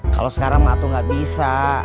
kalau sekarang waktu gak bisa